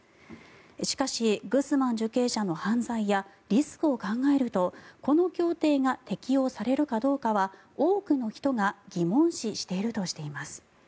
しかし、グスマン受刑者の犯罪やリスクを考えるとこの協定が適用されるかどうかは多くの人が疑問視しているとしています。